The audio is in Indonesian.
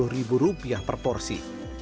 dua puluh ribu rupiah per porsi